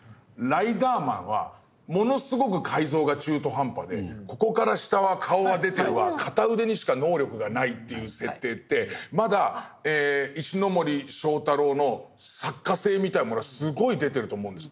ライダーマンはものすごく改造が中途半端でここから下は顔は出てるわ片腕にしか能力がないっていう設定ってまだ石森章太郎の作家性みたいなものがすごい出てると思うんですね。